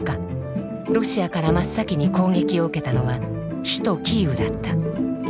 ロシアから真っ先に攻撃を受けたのは首都キーウだった。